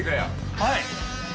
はい！